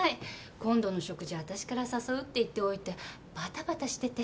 今度の食事私から誘うって言っておいてバタバタしてて。